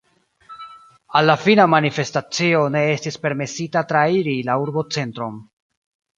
Al la fina manifestacio ne estis permesita trairi la urbocentron.